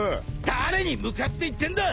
誰に向かって言ってんだ！